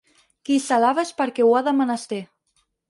Qui s'alaba és perquè ho ha de menester.